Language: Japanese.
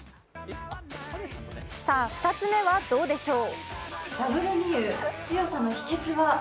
さぁ、２つ目はどうでしょう？